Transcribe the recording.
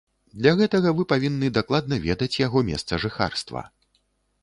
Для гэтага вы павінны дакладна ведаць яго месца жыхарства.